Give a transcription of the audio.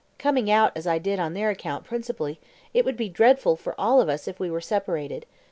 Coming out, as I did, on their account principally, it would be dreadful for all of us if we were separated.